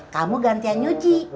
kamu gantian nyuci ya